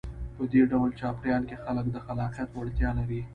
په دې ډول چاپېریال کې خلک د خلاقیت وړتیا لري.